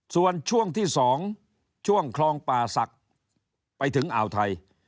ส่วนช่วงที่๒ช่วงคลองป่าศักดิ์ไปถึงอ่าวไทย